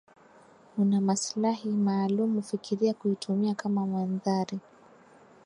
una maslahi maalum fikiria kuitumia kama mandhari